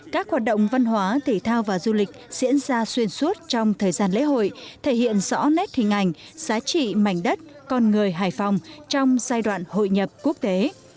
các hoạt động văn hóa thể thao và du lịch diễn ra xuyên suốt trong thời gian lễ hội thể hiện rõ nét hình ảnh giá trị mảnh đất con người hải phòng trong giai đoạn hội nhập quốc tế